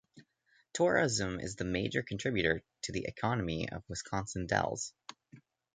Tourism is the major contributor to the economy of Wisconsin Dells.